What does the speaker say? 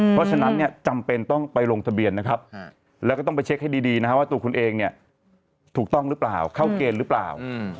เพราะฉะนั้นเนี่ยจำเป็นต้องไปลงทะเบียนนะครับแล้วก็ต้องไปเช็คให้ดีนะครับว่าตัวคุณเองเนี่ยถูกต้องหรือเปล่าเข้าเกณฑ์หรือเปล่า